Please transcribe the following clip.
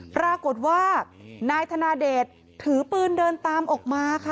ปรากฏว่านายธนาเดชถือปืนเดินตามออกมาค่ะ